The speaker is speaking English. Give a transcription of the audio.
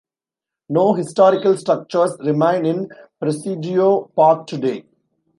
No historical structures remain in Presidio Park today.